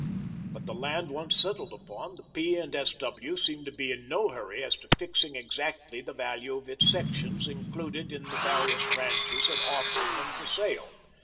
But the land once settled upon, the P. and S. W. seemed to be in no hurry as to fixing exactly the value of its sections included in the various ranches and offering them for sale.